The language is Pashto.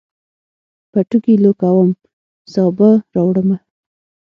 پټوکي لو کوم، سابه راوړمه